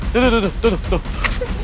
tuh tuh tuh tuh tuh